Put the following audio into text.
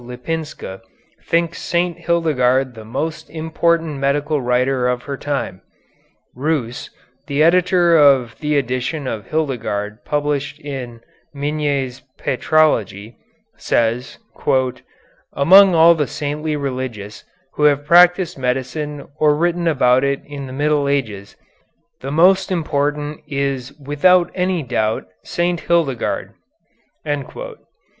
Lipinska thinks St. Hildegarde the most important medical writer of her time. Reuss, the editor of the edition of Hildegarde published in Migne's "Patrology," says: "Among all the saintly religious who have practised medicine or written about it in the Middle Ages, the most important is without any doubt St. Hildegarde...."